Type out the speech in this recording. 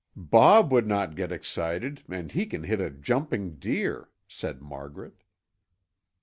"Bob would not get excited and he can hit a jumping deer," said Margaret.